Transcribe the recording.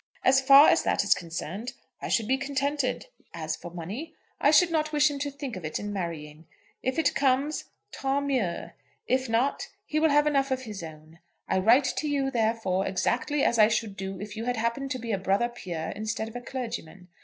As far as that is concerned, I should be contented. As for money, I should not wish him to think of it in marrying. If it comes, tant mieux. If not, he will have enough of his own. I write to you, therefore, exactly as I should do if you had happened to be a brother peer instead of a clergyman.